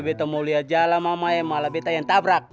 beta mau liat jalan mamae malah beta yang tabrak